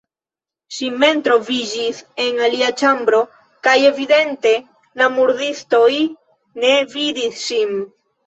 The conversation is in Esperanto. Ŝi mem troviĝis en alia ĉambro kaj evidente la murdistoj ne vidis ŝin.